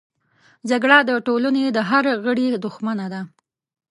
جګړه د ټولنې د هر غړي دښمنه ده